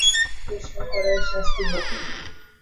আমাকে প্রশ্ন করার শাস্তি হবে।